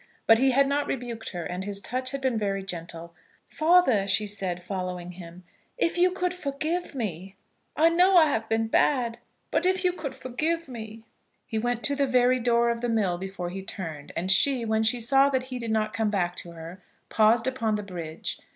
But he had not rebuked her, and his touch had been very gentle. "Father," she said, following him, "if you could forgive me! I know I have been bad, but if you could forgive me!" He went to the very door of the mill before he turned; and she, when she saw that he did not come back to her, paused upon the bridge.